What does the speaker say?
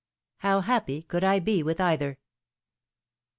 HOW HAPPY COULD I BE WITH EITHER.